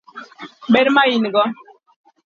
Ber maigo